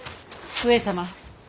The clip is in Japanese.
上様！